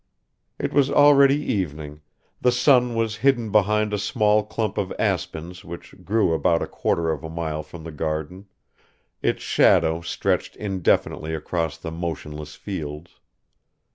It was already evening; the sun was hidden behind a small clump of aspens which grew about a quarter of a mile from the garden; its shadow stretched indefinitely across the motionless fields.